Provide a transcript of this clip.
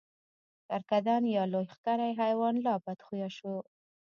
کرکدن یا لوی ښکری حیوان لا بدخویه شو.